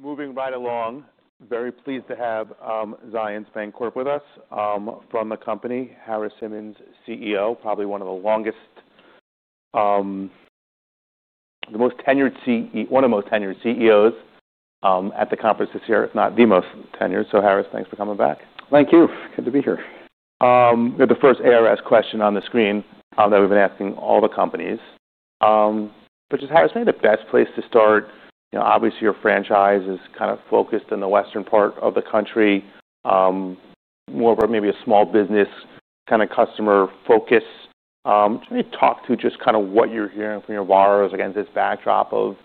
Moving right along. Very pleased to have Zions Bancorporation with us from the company, Harris Simmons, CEO, probably one of the most tenured CEOs at the conference this year, if not the most tenured. Harris, thanks for coming back. Thank you. Good to be here. We have the first ARS question on the screen that we've been asking all the companies. Harris, I think the best place to start, obviously your franchise is kind of focused in the western part of the country, more of a maybe a small business kind of customer focus. Talk to just kind of what you're hearing from your borrowers against this backdrop of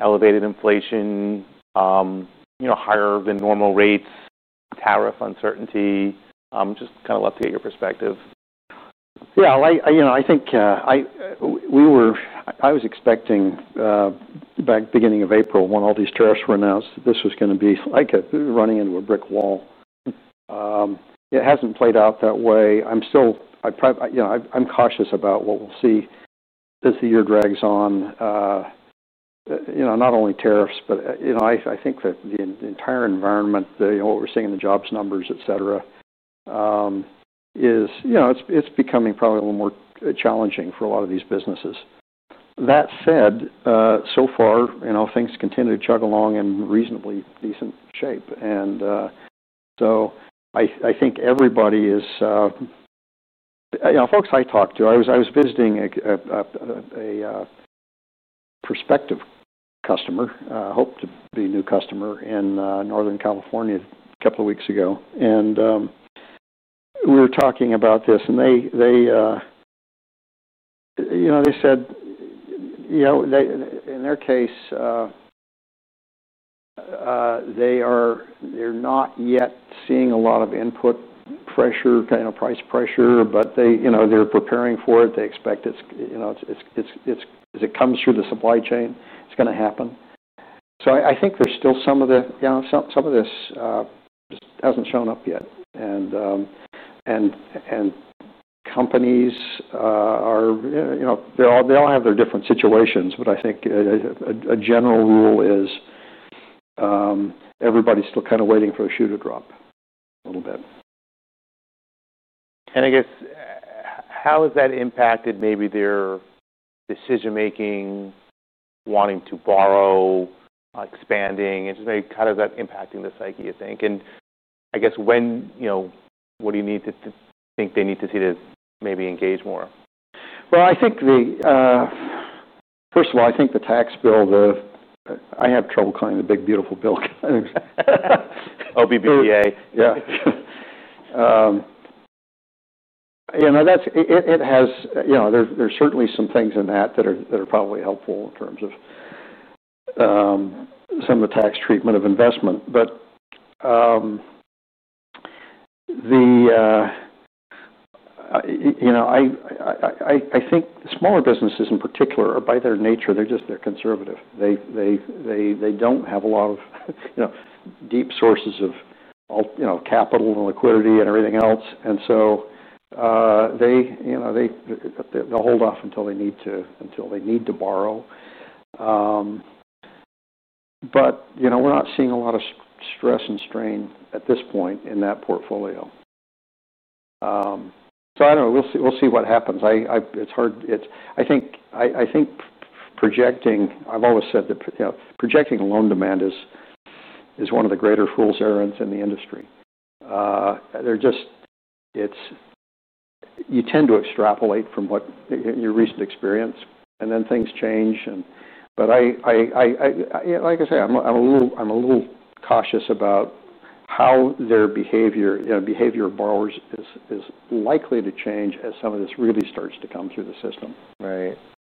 elevated inflation, higher than normal rates, tariff uncertainty. Just kind of love to get your perspective. Yeah, I think we were, I was expecting back at the beginning of April when all these tariffs were announced that this was going to be like running into a brick wall. It hasn't played out that way. I'm still, I probably, you know, I'm cautious about what we'll see as the year drags on. Not only tariffs, but I think that the entire environment, what we're seeing in the jobs numbers, et cetera, is becoming probably a little more challenging for a lot of these businesses. That said, so far, things continue to chug along in reasonably decent shape. I think everybody is, folks I talked to, I was visiting a prospective customer, hope to be a new customer in Northern California a couple of weeks ago. We were talking about this and they said in their case, they are not yet seeing a lot of input pressure, kind of price pressure, but they're preparing for it. They expect it's, as it comes through the supply chain, it's going to happen. I think there's still some of this that hasn't shown up yet. Companies all have their different situations, but I think a general rule is everybody's still kind of waiting for a shoe to drop a little bit. How has that impacted maybe their decision-making, wanting to borrow, expanding, and just maybe kind of that impacting the psyche you think? What do you need to think they need to see to maybe engage more? I think the tax bill, I have trouble calling the big beautiful bill. OBBDA. Yeah, you know, it has, you know, there are certainly some things in that that are probably helpful in terms of some of the tax treatment of investment. I think smaller businesses in particular are by their nature, they're just, they're conservative. They don't have a lot of, you know, deep sources of all, you know, capital and liquidity and everything else. They, you know, they'll hold off until they need to, until they need to borrow. We're not seeing a lot of stress and strain at this point in that portfolio. I don't know, we'll see what happens. It's hard, I think projecting, I've always said that projecting loan demand is one of the greater fool's errands in the industry. You tend to extrapolate from your recent experience and then things change. I, like I say, I'm a little cautious about how their behavior, you know, behavior of borrowers is likely to change as some of this really starts to come through the system. Right.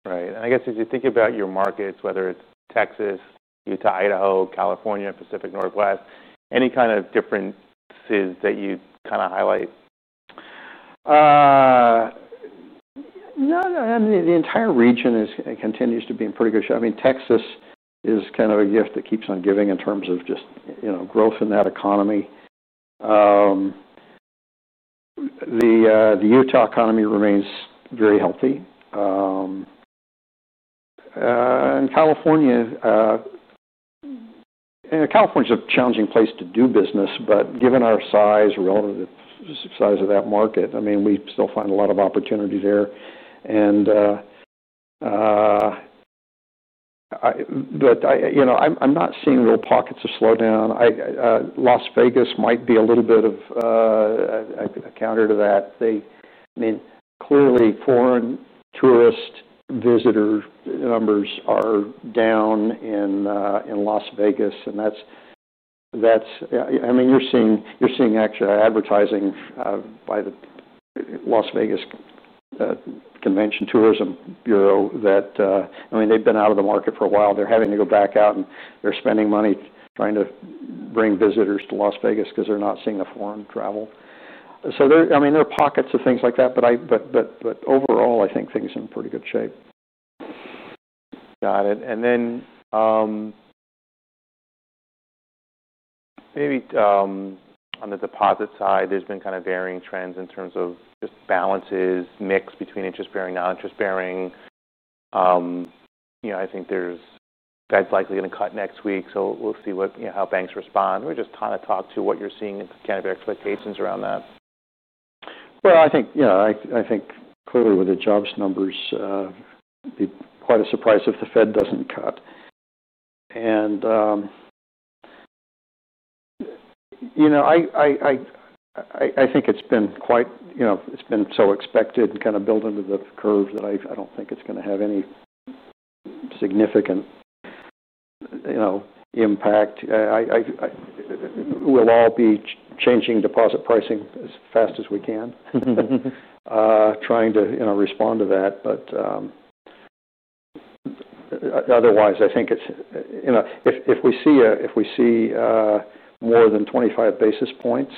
If you think about your markets, whether it's Texas, Utah, Idaho, California, Pacific Northwest, any kind of differences that you'd kind of highlight? No, the entire region continues to be in pretty good shape. I mean, Texas is kind of a gift that keeps on giving in terms of just, you know, growth in that economy. The Utah economy remains very healthy. California is a challenging place to do business, but given our size, relative size of that market, we still find a lot of opportunity there. I'm not seeing little pockets of slowdown. Las Vegas might be a little bit of a counter to that. Clearly, foreign tourist visitor numbers are down in Las Vegas. You're seeing actually advertising by the Las Vegas Convention Tourism Bureau. They've been out of the market for a while. They're having to go back out and they're spending money trying to bring visitors to Las Vegas because they're not seeing the foreign travel. There are pockets of things like that, but overall, I think things are in pretty good shape. Got it. Maybe on the deposit side, there's been kind of varying trends in terms of just balances, mix between interest bearing, non-interest bearing. I think that's likely going to cut next week. We'll see what, you know, how banks respond. Just kind of talk to what you're seeing and kind of expectations around that. I think, yeah, I think clearly with the jobs numbers, it'd be quite a surprise if the Federal Reserve doesn't cut. You know, I think it's been quite, you know, it's been so expected and kind of built into the curve that I don't think it's going to have any significant impact. We'll all be changing deposit pricing as fast as we can, trying to, you know, respond to that. Otherwise, I think it's, you know, if we see more than 25 basis points,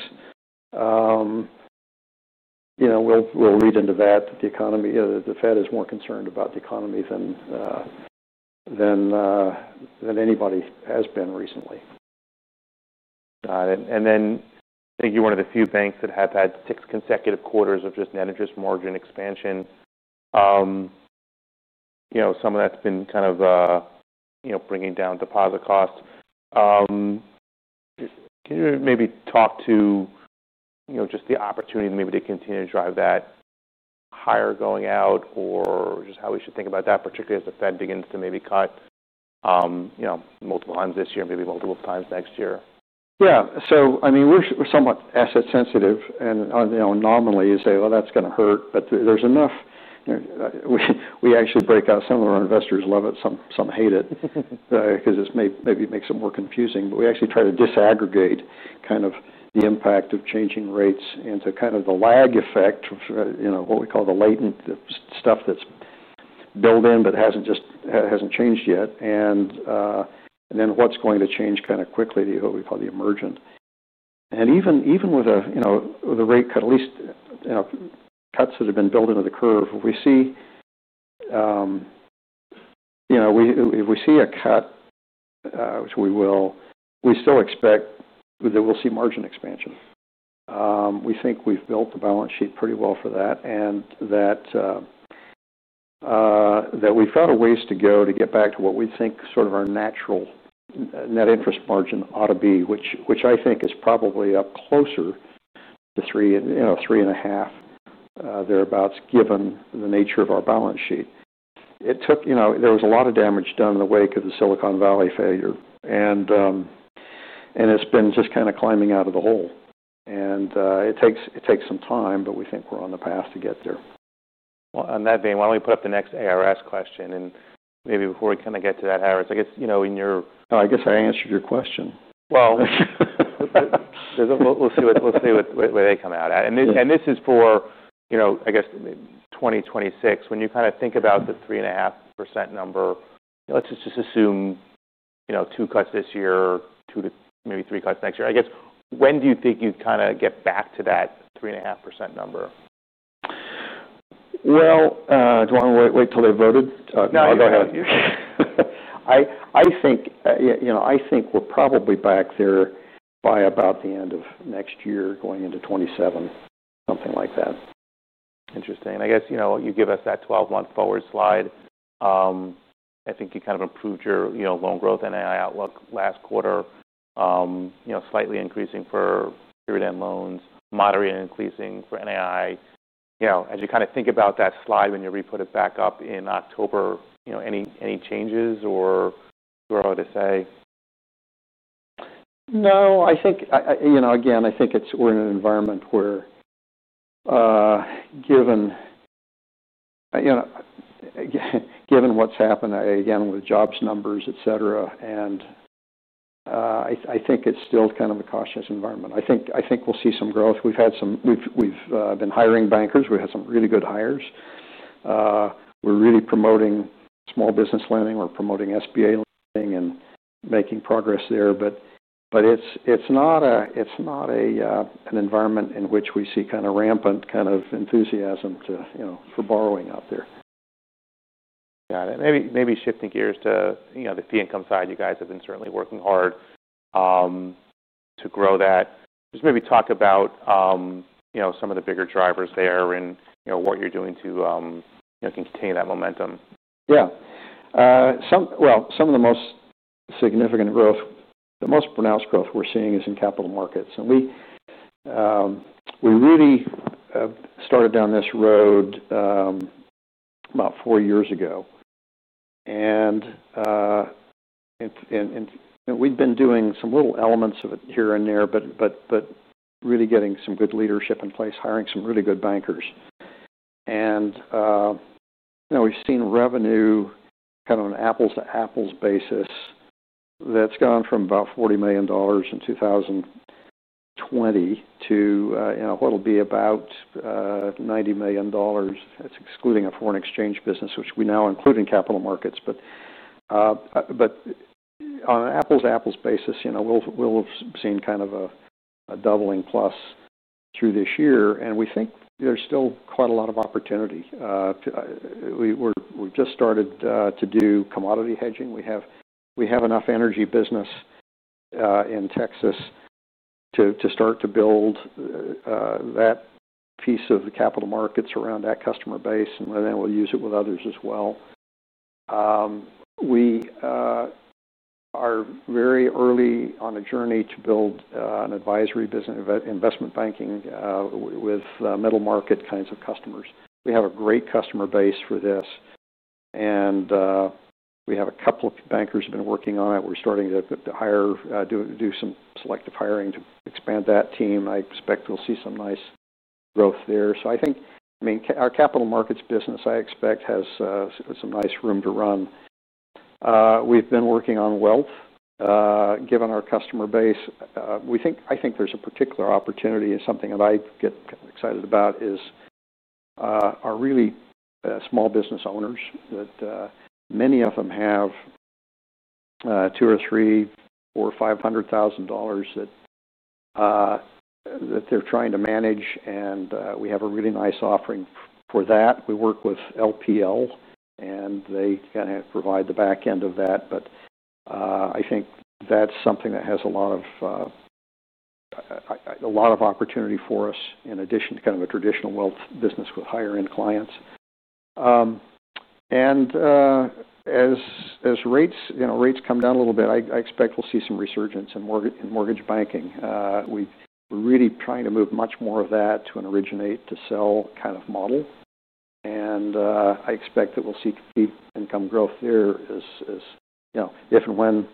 you know, we'll lead into that. The economy, the Federal Reserve is more concerned about the economy than anybody has been recently. Got it. I think you're one of the few banks that have had six consecutive quarters of just net interest margin expansion. Some of that's been kind of bringing down deposit costs. Can you maybe talk to the opportunity to continue to drive that higher going out or just how we should think about that, particularly as the Federal Reserve begins to maybe cut multiple times this year, maybe multiple times next year? Yeah. I mean, we're somewhat asset sensitive and, you know, anomaly is that, well, that's going to hurt, but there's enough, you know, we actually break out, some of our investors love it, some hate it, because it maybe makes it more confusing, but we actually try to disaggregate kind of the impact of changing rates into kind of the lag effect of, you know, what we call the latent stuff that's built in, but it hasn't just, hasn't changed yet. Then what's going to change kind of quickly to what we call the emergent. Even with a, you know, the rate cut, at least, you know, cuts that have been built into the curve, we see, you know, if we see a cut, which we will, we still expect that we'll see margin expansion. We think we've built the balance sheet pretty well for that. We've got a ways to go to get back to what we think sort of our natural net interest margin ought to be, which I think is probably up closer to 3, you know, 3.5, thereabouts, given the nature of our balance sheet. It took, you know, there was a lot of damage done in the wake of the Silicon Valley failure. It's been just kind of climbing out of the hole. It takes some time, but we think we're on the path to get there. On that vein, why don't we put up the next ARS question? Maybe before we kind of get to that, Harris, I guess, you know, in your. I guess I answered your question. We'll see what they come out at. This is for, you know, I guess, 2026, when you kind of think about the 3.5% number. Let's just assume, you know, two cuts this year, two to maybe three cuts next year. I guess, when do you think you'd kind of get back to that 3.5% number? Do you want to wait till they voted? No, go ahead. I think we're probably back there by about the end of next year, going into 2027, something like that. Interesting. I guess you give us that 12-month forward slide. I think you kind of improved your loan growth and outlook last quarter, slightly increasing for period end loans, moderately increasing for NAI. As you kind of think about that slide when you reput it back up in October, any changes or what I would say? No, I think we're in an environment where, given what's happened with jobs numbers, et cetera, it's still kind of a cautious environment. I think we'll see some growth. We've been hiring bankers. We had some really good hires. We're really promoting small business lending. We're promoting Small Business Administration lending and making progress there. It's not an environment in which we see kind of rampant enthusiasm for borrowing out there. Maybe shifting gears to the income side, you guys have been certainly working hard to grow that. Just maybe talk about some of the bigger drivers there and what you're doing to continue that momentum. Yeah. Some of the most significant growth, the most pronounced growth we're seeing is in capital markets. We really started down this road about four years ago. We'd been doing some little elements of it here and there, but really getting some good leadership in place, hiring some really good bankers. We've seen revenue, kind of an apples-to-apples basis, that's gone from about $40 million in 2020 to what'll be about $90 million. It's excluding a foreign exchange business, which we now include in capital markets. On an apples-to-apples basis, we'll have seen kind of a doubling plus through this year. We think there's still quite a lot of opportunity. We've just started to do commodity hedging. We have enough energy business in Texas to start to build that piece of the capital markets around that customer base, and then we'll use it with others as well. We are very early on a journey to build an advisory business, investment banking with middle market kinds of customers. We have a great customer base for this. We have a couple of bankers who've been working on it. We're starting to hire, do some selective hiring to expand that team. I expect we'll see some nice growth there. I think our capital markets business, I expect, has some nice room to run. We've been working on wealth, given our customer base. We think, I think there's a particular opportunity and something that I get excited about is our really small business owners that many of them have two or three or $500,000 that they're trying to manage. We have a really nice offering for that. We work with LPL, and they provide the backend of that. I think that's something that has a lot of opportunity for us in addition to kind of a traditional wealth business with higher-end clients. As rates come down a little bit, I expect we'll see some resurgence in mortgage banking. We're really trying to move much more of that to an originate to sell kind of model. I expect that we'll see income growth there as, if and when,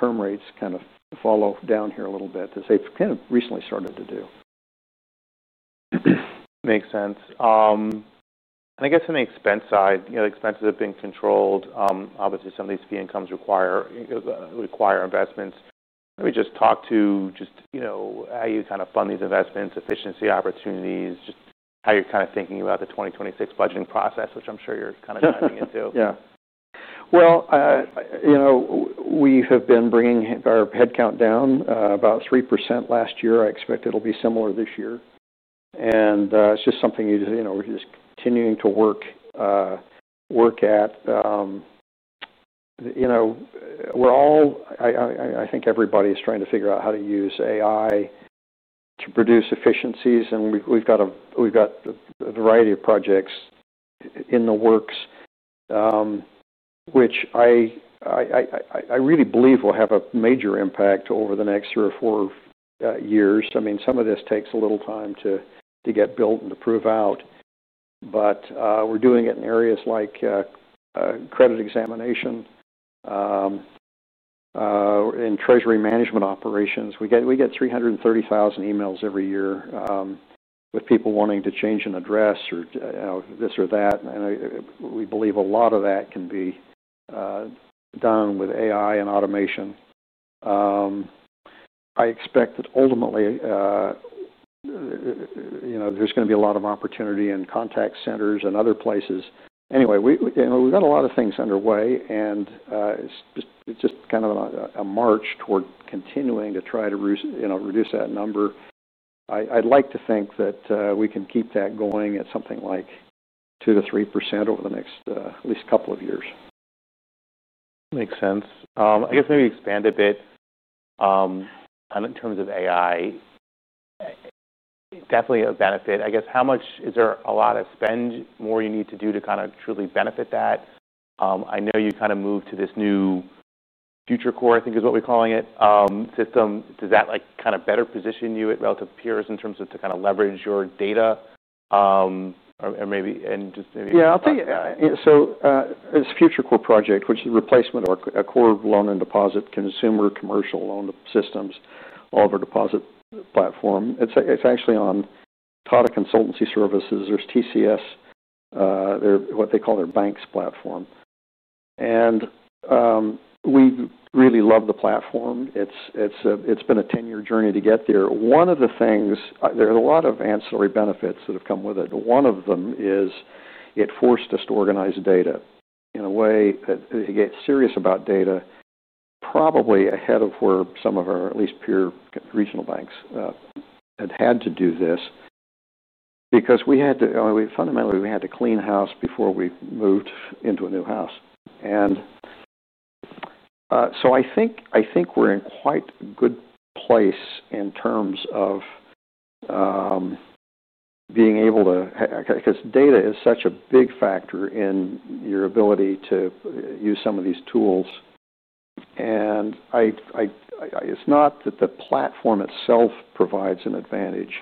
term rates kind of fall off down here a little bit as they've kind of recently started to do. Makes sense. I guess on the expense side, the expenses have been controlled. Obviously, some of these fee incomes require investments. Let me just talk to how you kind of fund these investments, efficiency opportunities, just how you're kind of thinking about the 2026 budgeting process, which I'm sure you're kind of diving into. Yeah. You know, we have been bringing our headcount down about 3% last year. I expect it'll be similar this year. It's just something you know, we're just continuing to work at. I think everybody is trying to figure out how to use AI to produce efficiencies. We've got a variety of projects in the works, which I really believe will have a major impact over the next three or four years. Some of this takes a little time to get built and to prove out. We're doing it in areas like credit examination and treasury management operations. We get 330,000 emails every year with people wanting to change an address or this or that, and we believe a lot of that can be done with AI and automation. I expect that ultimately, there's going to be a lot of opportunity in contact centers and other places. We've got a lot of things underway, and it's just kind of a march toward continuing to try to reduce that number. I'd like to think that we can keep that going at something like 2% to 3% over the next at least a couple of years. Makes sense. I guess maybe expand a bit. I don't know in terms of artificial intelligence, definitely a benefit. I guess how much is there a lot of spend more you need to do to kind of truly benefit that? I know you kind of moved to this new FutureCore, I think is what we're calling it, system. Does that like kind of better position you relative to peers in terms of to kind of leverage your data? Or maybe, and just maybe. Yeah, I'll tell you. This FutureCore project, which is a replacement for our core loan and deposit consumer commercial loan systems, all of our deposit platform, is actually on Tata Consultancy Services. There's TCS, what they call their BaNCS platform. We really love the platform. It's been a 10-year journey to get there. One of the things, there are a lot of ancillary benefits that have come with it. One of them is it forced us to organize data in a way that gets serious about data, probably ahead of where some of our at least pure regional banks had had to do this. We had to, fundamentally, clean house before we moved into a new house. I think we're in quite a good place in terms of being able to, because data is such a big factor in your ability to use some of these tools. It's not that the platform itself provides an advantage,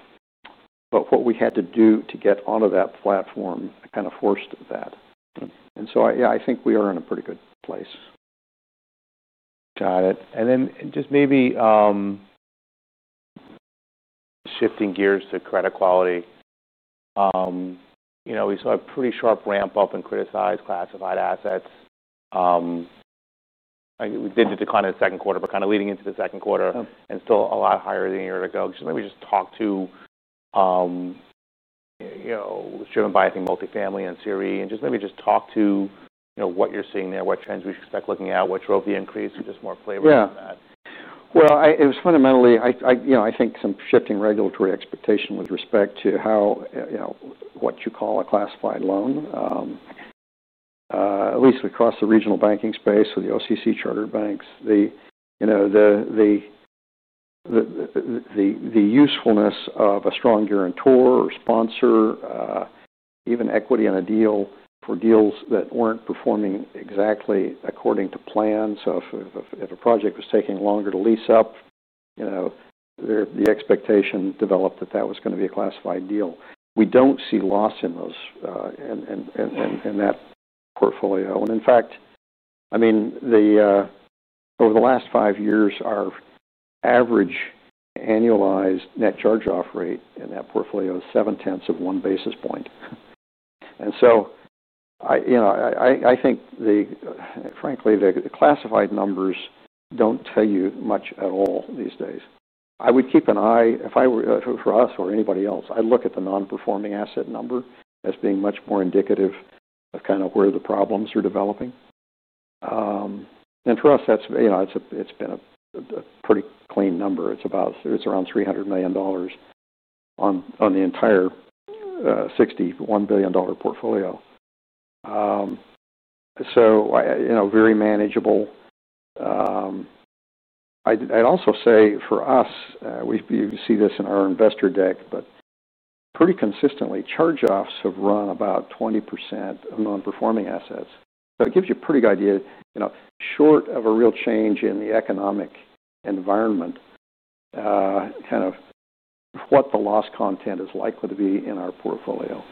but what we had to do to get onto that platform kind of forced that. I think we are in a pretty good place. Got it. Maybe shifting gears to credit quality. We saw a pretty sharp ramp up in criticized classified assets. We did see the decline in the second quarter, but kind of leading into the second quarter and still a lot higher than a year ago. Maybe just talk to, you know, it was driven by, I think, multifamily and CRE. Maybe just talk to what you're seeing there, what trends we expect looking at, what drove the increase, and just more flavors of that. It was fundamentally, I think some shifting regulatory expectation with respect to how, you know, what you call a classified loan. At least across the regional banking space or the OCC charter banks, the usefulness of a strong guarantor or sponsor, even equity on a deal for deals that weren't performing exactly according to plan. If a project was taking longer to lease up, the expectation developed that that was going to be a classified deal. We don't see loss in those, in that portfolio. In fact, over the last five years, our average annualized net charge-off rate in that portfolio is 0.7 basis points. Frankly, the classified numbers don't tell you much at all these days. I would keep an eye, if I were for us or anybody else, I'd look at the non-performing asset number as being much more indicative of where the problems are developing. For us, that's been a pretty clean number. It's around $300 million on the entire $61 billion portfolio, so very manageable. I'd also say for us, we see this in our investor deck, but pretty consistently, charge-offs have run about 20% of non-performing assets. It gives you a pretty good idea, short of a real change in the economic environment, what the loss content is likely to be in our portfolio.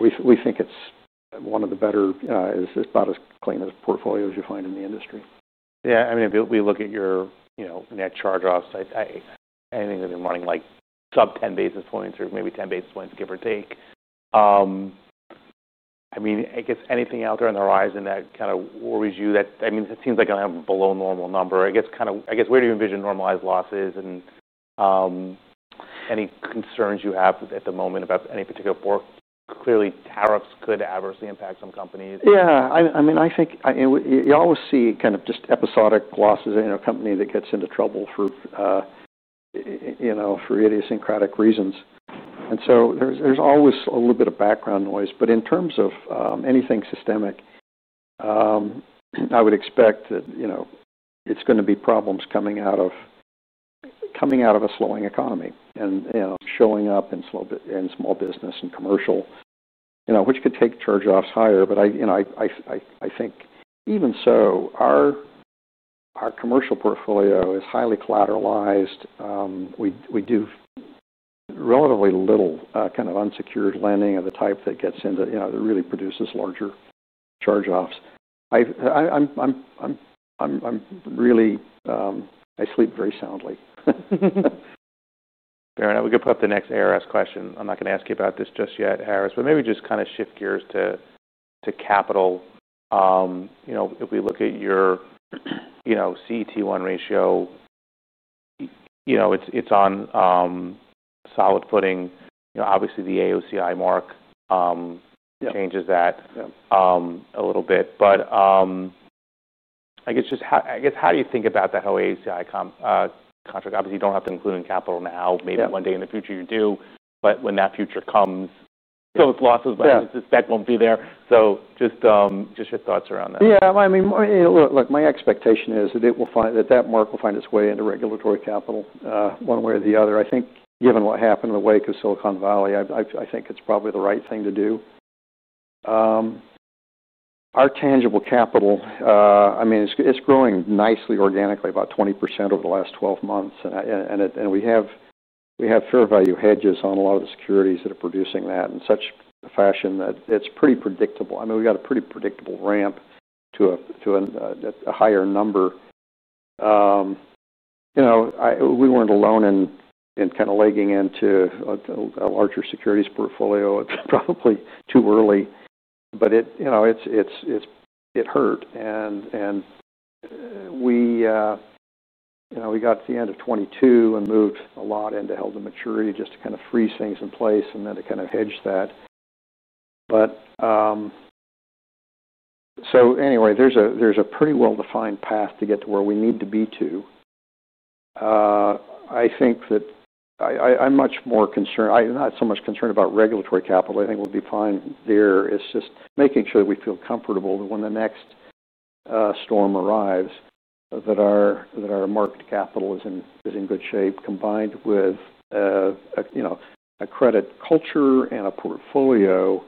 We think it's one of the better, it's about as clean as portfolios you find in the industry. Yeah, I mean, if we look at your net charge-offs, anything that's been running like sub 10 bps or maybe 10 bps, give or take. I mean, I guess anything out there on the horizon that kind of worries you that, I mean, it seems like a below normal number. I guess where do you envision normalized losses and any concerns you have at the moment about any particular board? Clearly, tariffs could adversely impact some companies. Yeah, I mean, I think you always see just episodic losses in a company that gets into trouble for idiosyncratic reasons. There is always a little bit of background noise, but in terms of anything systemic, I would expect that it's going to be problems coming out of a slowing economy and showing up in small business and commercial, which could take charge-offs higher. I think even so, our commercial portfolio is highly collateralized. We do relatively little unsecured lending of the type that really produces larger charge-offs. I'm really, I sleep very soundly. Fair enough. We can put up the next ARS question. I'm not going to ask you about this just yet, Harris, but maybe just kind of shift gears to capital. You know, if we look at your CET1 ratio, it's on solid footing. Obviously, the AOCI mark changes that a little bit. I guess just how do you think about that, how AOCI contract, obviously, you don't have to include in capital now. Maybe one day in the future you do, but when that future comes, it's losses, but it's just that won't be there. Just your thoughts around that. Yeah, I mean, look, my expectation is that it will find that that mark will find its way into regulatory capital one way or the other. I think given what happened in the wake of Silicon Valley, I think it's probably the right thing to do. Our tangible capital, I mean, it's growing nicely organically, about 20% over the last 12 months. We have fair value hedges on a lot of the securities that are producing that in such a fashion that it's pretty predictable. I mean, we got a pretty predictable ramp to a higher number. We weren't alone in kind of legging into a larger securities portfolio. It's probably too early, but it hurt. We got to the end of 2022 and moved a lot into held to maturity just to kind of freeze things in place and then to kind of hedge that. Anyway, there's a pretty well-defined path to get to where we need to be. I think that I'm much more concerned, I'm not so much concerned about regulatory capital. I think we'll be fine there. It's just making sure that we feel comfortable that when the next storm arrives, our market capital is in good shape, combined with a credit culture and a portfolio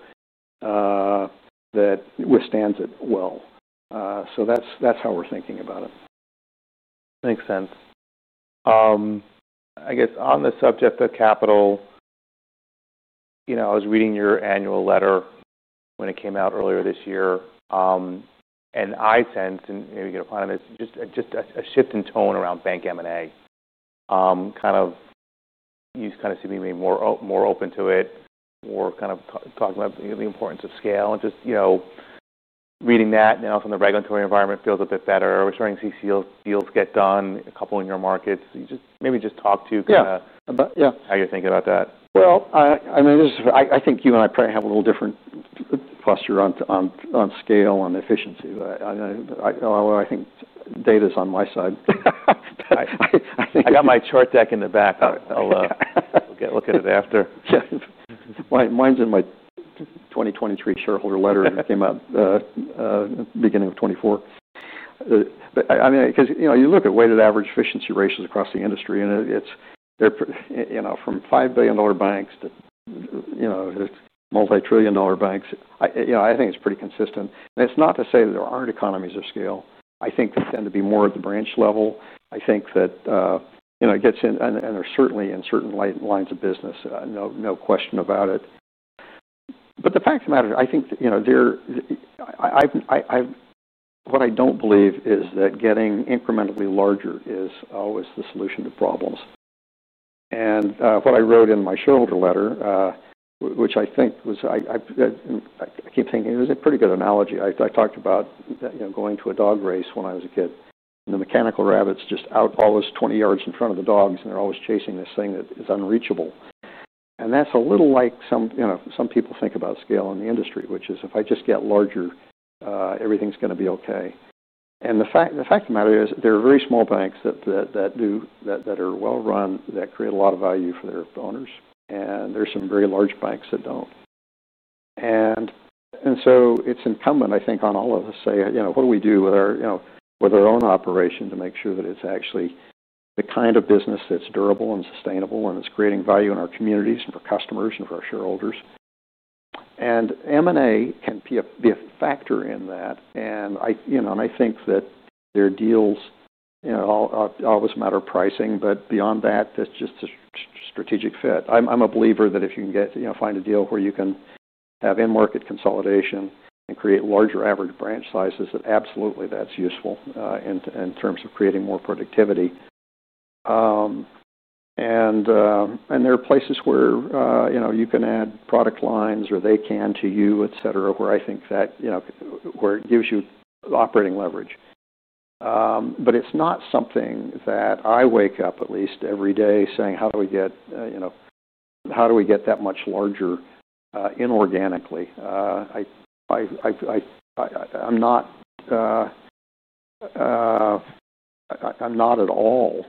that withstands it well. That's how we're thinking about it. Makes sense. I guess on the subject of capital, I was reading your annual letter when it came out earlier this year. I sensed, and maybe you can opine on this, just a shift in tone around bank M&A. You kind of seem to be more open to it, more talking about the importance of scale. Just reading that, and then also in the regulatory environment feels a bit better. We're starting to see CCL deals get done, a couple in your markets. Can you maybe just talk to how you're thinking about that? I mean, I think you and I probably have a little different posture on scale on efficiency, although I think data's on my side. I think I got my chart deck in the back. I'll look at it after. Mine's in my 2023 shareholder letter that came out at the beginning of 2024. You look at weighted average efficiency ratios across the industry, and it's from $5 billion banks to multi-trillion dollar banks. I think it's pretty consistent. It's not to say that there aren't economies of scale. I think they tend to be more at the branch level. It gets in, and they're certainly in certain lines of business, no question about it. The fact of the matter, what I don't believe is that getting incrementally larger is always the solution to problems. What I wrote in my shareholder letter, which I think was a pretty good analogy, I talked about going to a dog race when I was a kid. The mechanical rabbit's just out almost 20 yards in front of the dogs, and they're always chasing this thing that is unreachable. That's a little like some people think about scale in the industry, which is if I just get larger, everything's going to be okay. The fact of the matter is there are very small banks that are well run, that create a lot of value for their owners. There's some very large banks that don't. It's incumbent on all of us to say, what do we do with our own operation to make sure that it's actually the kind of business that's durable and sustainable and is creating value in our communities and for customers and for our shareholders. M&A can be a factor in that. I think that there are deals, always a matter of pricing, but beyond that, that's just a strategic fit. I'm a believer that if you can find a deal where you can have in-market consolidation and create larger average branch sizes, absolutely that's useful in terms of creating more productivity. There are places where you can add product lines or they can to you, et cetera, where it gives you operating leverage. It's not something that I wake up at least every day saying, how do we get that much larger inorganically? I'm not at all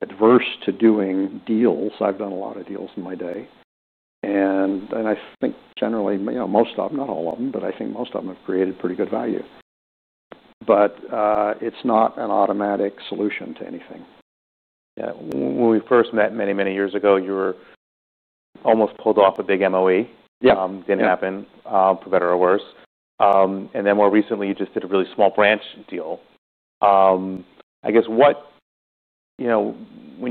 adverse to doing deals. I've done a lot of deals in my day. I think generally, most of them, not all of them, but I think most of them have created pretty good value. It's not an automatic solution to anything. Yeah. When we first met many, many years ago, you were almost pulled off a big MOE. It didn't happen for better or worse. More recently, you just did a really small branch deal. I guess when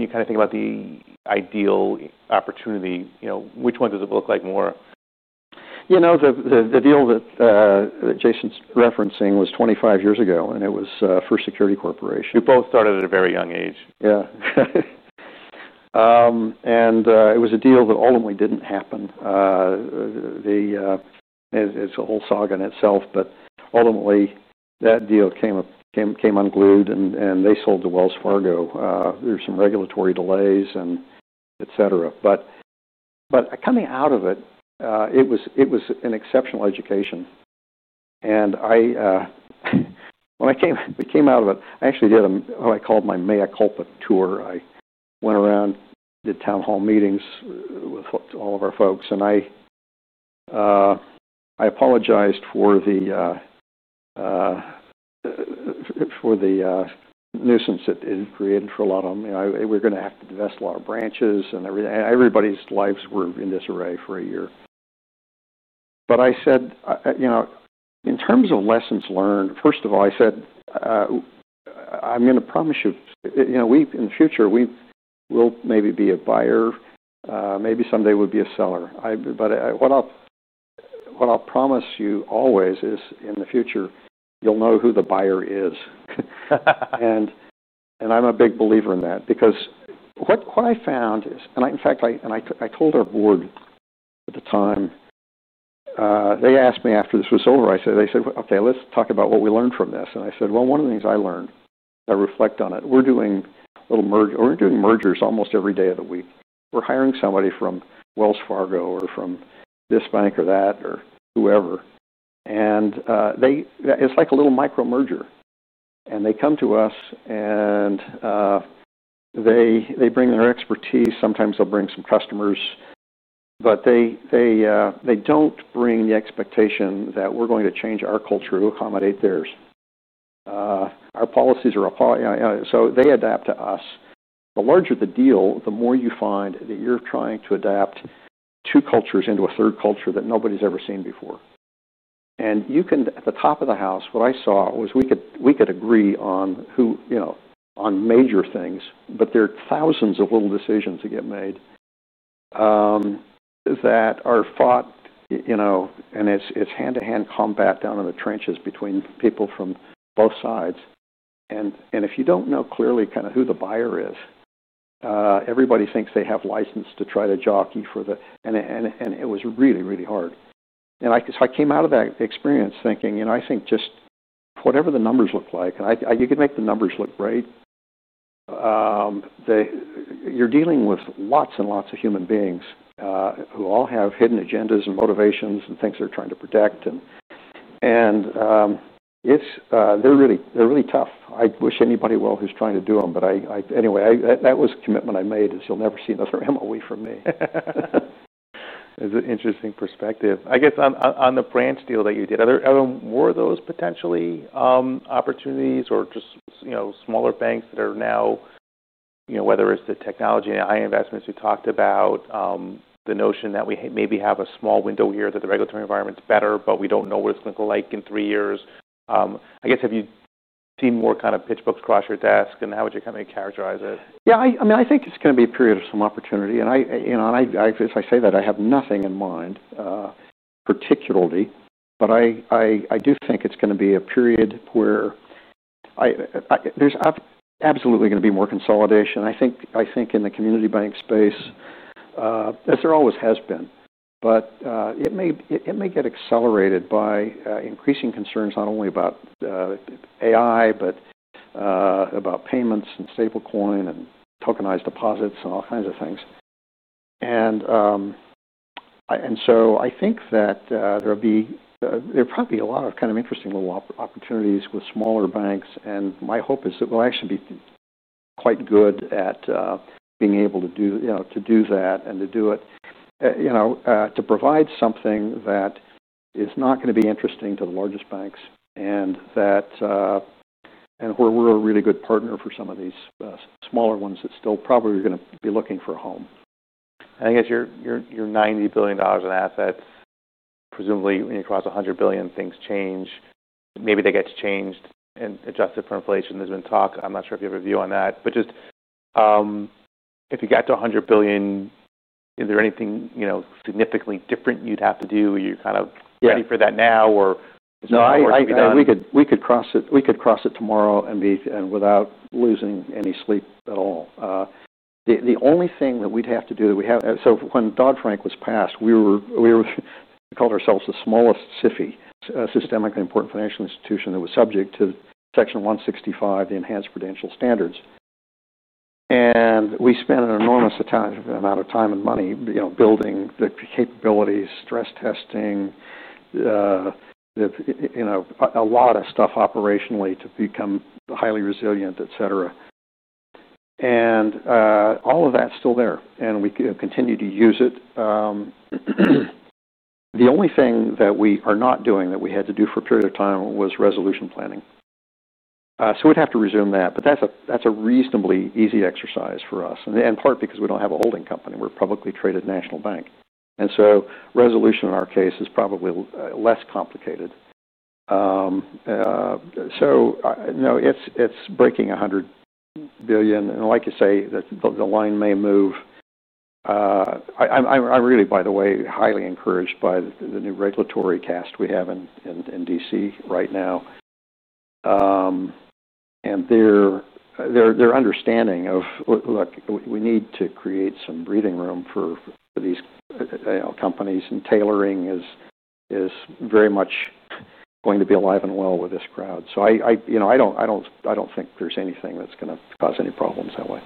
you kind of think about the ideal opportunity, which one does it look like more? You know, the deal that Jason's referencing was 25 years ago, and it was for Security Corporation. You both started at a very young age. Yeah. It was a deal that ultimately didn't happen. It's a whole saga in itself, but ultimately that deal came unglued and they sold to Wells Fargo. There were some regulatory delays, et cetera. Coming out of it, it was an exceptional education. When I came out of it, I actually did what I called my mea culpa tour. I went around, did town hall meetings with all of our folks, and I apologized for the nuisance it created for a lot of them. We were going to have to divest a lot of branches and everything, and everybody's lives were in disarray for a year. I said, you know, in terms of lessons learned, first of all, I said, I'm going to promise you, you know, in the future, we'll maybe be a buyer, maybe someday we'll be a seller. What I'll promise you always is in the future, you'll know who the buyer is. I'm a big believer in that because what I found is, in fact, I told our board at the time, they asked me after this was over, they said, okay, let's talk about what we learned from this. I said, well, one of the things I learned, I reflect on it, we're doing little mergers, or we're doing mergers almost every day of the week. We're hiring somebody from Wells Fargo or from this bank or that or whoever, and it's like a little micro merger. They come to us and they bring their expertise. Sometimes they'll bring some customers, but they don't bring the expectation that we're going to change our culture to accommodate theirs. Our policies are a, you know, so they adapt to us. The larger the deal, the more you find that you're trying to adapt two cultures into a third culture that nobody's ever seen before. At the top of the house, what I saw was we could agree on major things, but there are thousands of little decisions that get made that are fought, you know, and it's hand-to-hand combat down in the trenches between people from both sides. If you don't know clearly kind of who the buyer is, everybody thinks they have license to try to jockey for the, and it was really, really hard. I came out of that experience thinking, you know, I think just whatever the numbers look like, and you can make the numbers look great, you're dealing with lots and lots of human beings who all have hidden agendas and motivations and things they're trying to protect. They're really tough. I wish anybody well who's trying to do them, but anyway, that was the commitment I made is you'll never see another MOE from me. It's an interesting perspective. I guess on the branch deal that you did, were those potentially opportunities or just, you know, smaller banks that are now, you know, whether it's the technology and AI investments we talked about, the notion that we maybe have a small window here that the regulatory environment's better, but we don't know what it's going to look like in three years. I guess have you seen more kind of pitch books cross your desk, and how would you kind of characterize it? I think it's going to be a period of some opportunity. I have nothing in mind particularly, but I do think it's going to be a period where there's absolutely going to be more consolidation. I think in the community bank space, as there always has been, it may get accelerated by increasing concerns not only about artificial intelligence, but about payments and stable coin and tokenized deposits and all kinds of things. I think that there'll probably be a lot of kind of interesting little opportunities with smaller banks. My hope is that we'll actually be quite good at being able to do that and to provide something that is not going to be interesting to the largest banks, and where we're a really good partner for some of these smaller ones that still probably are going to be looking for a home. I think it's your $90 billion in assets. Presumably, when you cross $100 billion, things change. Maybe that gets changed and adjusted for inflation. There's been talk, I'm not sure if you have a view on that, but just if you got to $100 billion, is there anything significantly different you'd have to do? Are you kind of ready for that now or is there more to be done? No, we could cross it, we could cross it tomorrow and be without losing any sleep at all. The only thing that we'd have to do that we have, so when Dodd-Frank was passed, we were, we called ourselves the smallest SIFI, a systemically important financial institution that was subject to Section 165, the Enhanced Prudential Standards. We spent an enormous amount of time and money, you know, building the capabilities, stress testing, a lot of stuff operationally to become highly resilient, et cetera. All of that's still there, and we continue to use it. The only thing that we are not doing that we had to do for a period of time was resolution planning. We'd have to resume that, but that's a reasonably easy exercise for us, in part because we don't have a holding company. We're a publicly traded national bank, and resolution in our case is probably less complicated. No, it's breaking $100 billion, and like you say, the line may move. I'm really, by the way, highly encouraged by the new regulatory cast we have in D.C. right now and their understanding of, look, we need to create some breathing room for these companies, and tailoring is very much going to be alive and well with this crowd. I don't think there's anything that's going to cause any problems that way.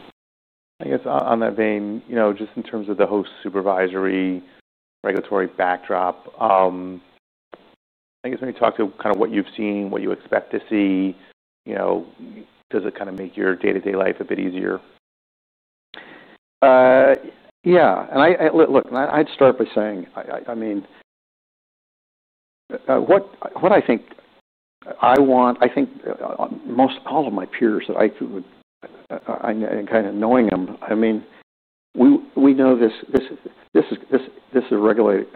I guess on that vein, just in terms of the host supervisory regulatory backdrop, when you talk to kind of what you've seen, what you expect to see, does it kind of make your day-to-day life a bit easier? Yeah. Look, I'd start by saying, what I think I want, I think most all of my peers that I feel would, and kind of knowing them, we know this is a regulated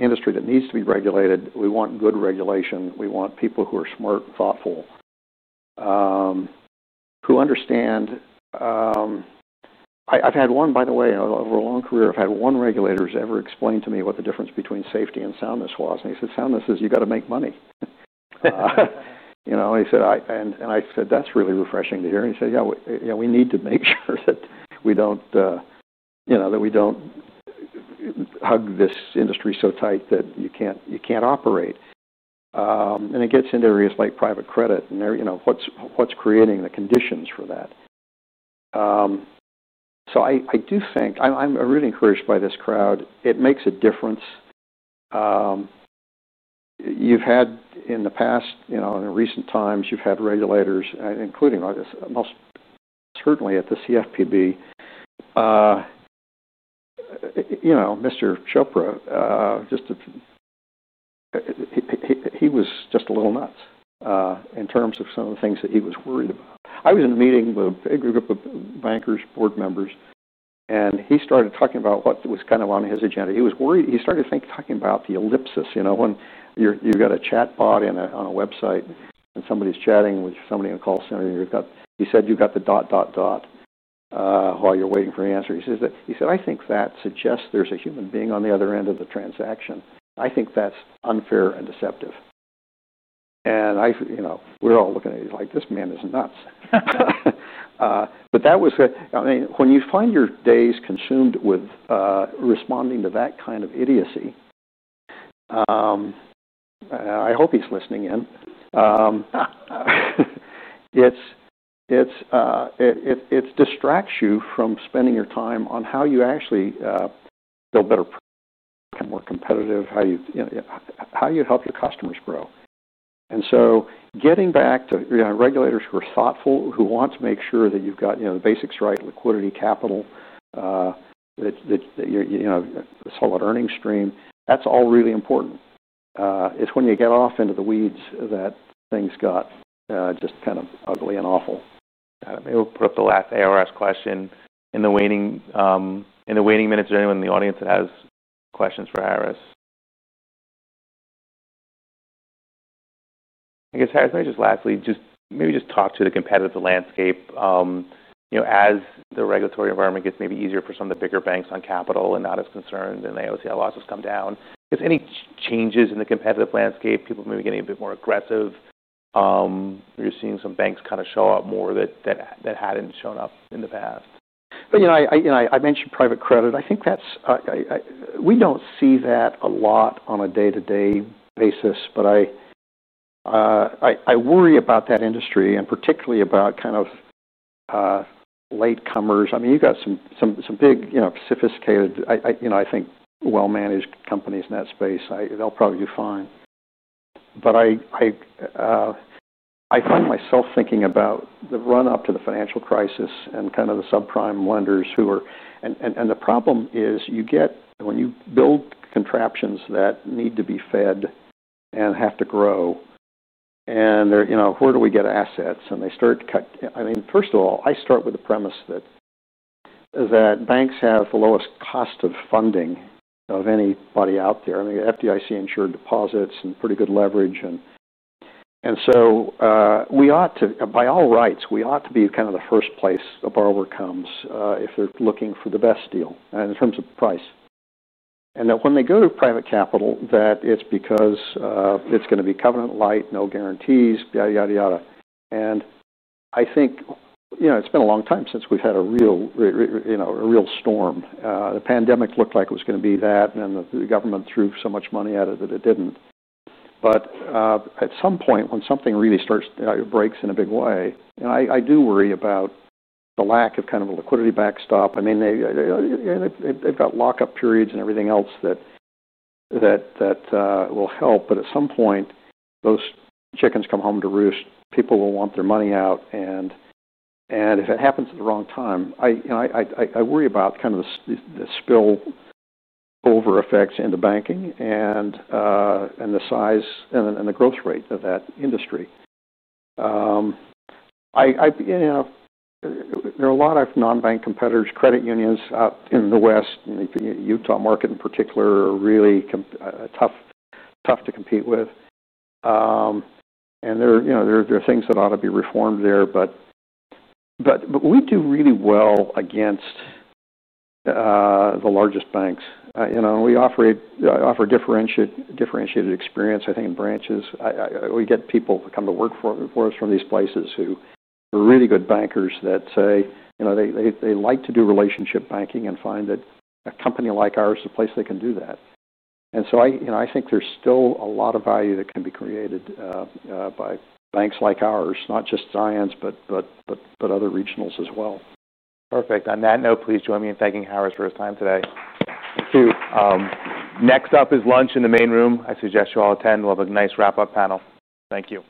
industry that needs to be regulated. We want good regulation. We want people who are smart, thoughtful, who understand. I've had one, by the way, over a long career, I've had one regulator who's ever explained to me what the difference between safety and soundness was. He said, "Soundness is you got to make money." He said, and I said, "That's really refreshing to hear." He said, "Yeah, yeah, we need to make sure that we don't, you know, that we don't hug this industry so tight that you can't operate." It gets into areas like private credit and what's creating the conditions for that. I do think I'm really encouraged by this crowd. It makes a difference. You've had in the past, in recent times, you've had regulators, including most certainly at the CFPB, Mr. Chopra, just a, he was just a little nuts in terms of some of the things that he was worried about. I was in a meeting with a big group of bankers, board members, and he started talking about what was kind of on his agenda. He was worried. He started thinking about the ellipsis, you know, when you've got a chatbot on a website and somebody's chatting with somebody in a call center and you've got, he said, "You've got the dot, dot, dot," while you're waiting for an answer. He said, "I think that suggests there's a human being on the other end of the transaction. I think that's unfair and deceptive." We're all looking at it. He's like, "This man is nuts." When you find your days consumed with responding to that kind of idiocy, I hope he's listening in. It distracts you from spending your time on how you actually build better, become more competitive, how you help your customers grow. Getting back to regulators who are thoughtful, who want to make sure that you've got the basics right, liquidity, capital, that you know, a solid earning stream, that's all really important. It's when you get off into the weeds that things got just kind of ugly and awful. We'll put up the last ARS question in the waiting minutes. Is there anyone in the audience that has questions for Harris? Harris, maybe just lastly, maybe just talk to the competitive landscape. You know, as the regulatory environment gets maybe easier for some of the bigger banks on capital and not as concerned, and the AOCI losses come down, is any changes in the competitive landscape? People may be getting a bit more aggressive. You're seeing some banks kind of show up more that hadn't shown up in the past. I mentioned private credit. I think that's, we don't see that a lot on a day-to-day basis, but I worry about that industry and particularly about kind of latecomers. I mean, you've got some big, sophisticated, I think well-managed companies in that space. They'll probably do fine. I find myself thinking about the run-up to the financial crisis and kind of the subprime lenders who are, and the problem is you get when you build contraptions that need to be fed and have to grow. They're, you know, where do we get assets? They start to cut. First of all, I start with the premise that banks have the lowest cost of funding of anybody out there. I mean, the FDIC-insured deposits and pretty good leverage. We ought to, by all rights, we ought to be kind of the first place a borrower comes if they're looking for the best deal in terms of price. When they go to private capital, it's because it's going to be covenant light, no guarantees, yada yada yada. I think it's been a long time since we've had a real, a real storm. The pandemic looked like it was going to be that, and then the government threw so much money at it that it didn't. At some point, when something really starts, it breaks in a big way. I do worry about the lack of kind of a liquidity backstop. I mean, they've got lockup periods and everything else that will help. At some point, those chickens come home to roost. People will want their money out. If it happens at the wrong time, I worry about kind of the spillover effects into banking and the size and the growth rate of that industry. There are a lot of non-bank competitors, credit unions in the West, and the Utah market in particular are really tough to compete with. There are things that ought to be reformed there. We do really well against the largest banks. We offer a differentiated experience, I think, in branches. We get people to come to work for us from these places who are really good bankers that say they like to do relationship banking and find that a company like ours is a place they can do that. I think there's still a lot of value that can be created by banks like ours, not just Zions, but other regionals as well. Perfect. On that note, please join me in thanking Harris for his time today. Thank you. Next up is lunch in the main room. I suggest you all attend. We'll have a nice wrap-up panel. Thank you.